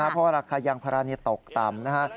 เพราะราคายังพระรานี่ตกต่ำ